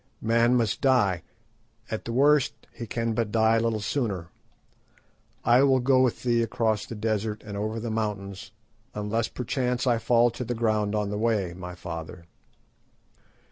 Man must die. At the worst he can but die a little sooner. I will go with thee across the desert and over the mountains, unless perchance I fall to the ground on the way, my father."